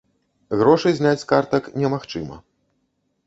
Грошы зняць з картак немагчыма.